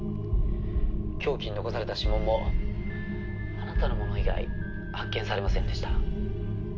「凶器に残された指紋もあなたのもの以外発見されませんでした」